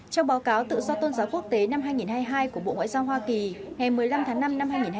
trong báo cáo tự do tôn giáo quốc tế năm hai nghìn hai mươi hai của bộ ngoại giao hoa kỳ ngày một mươi năm tháng năm năm hai nghìn hai mươi bốn